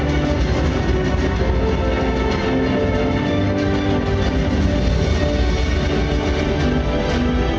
ดีสวยบรุ้ยดูแพง